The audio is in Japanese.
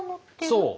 そう。